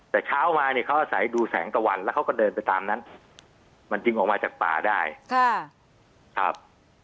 แต่เช้ามาเนี่ยเขาอาศัยดูแสงตะวันแล้วเขาก็เดินไปตามนั้นมันจึงออกมาจากป่าได้ครับ